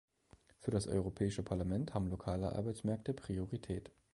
Für das Europäische Parlament haben lokale Arbeitsmärkte Priorität.